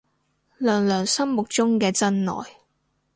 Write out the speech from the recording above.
娘娘心目中嘅真愛